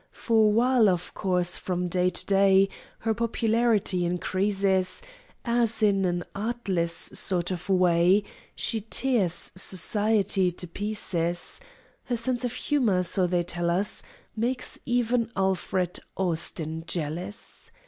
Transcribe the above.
For while, of course, from day to day, Her popularity increases, As, in an artless sort of way, She tears Society to pieces, Her sense of humor, so they tell us, Makes even Alfred Austin jealous!